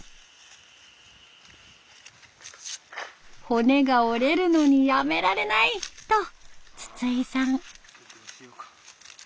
骨が折れるのにやめられないと筒井さん。